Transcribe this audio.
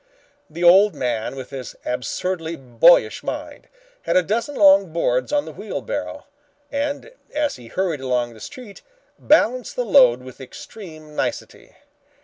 The old man with his absurdly boyish mind had a dozen long boards on the wheelbarrow, and, as he hurried along the road, balanced the load with extreme nicety.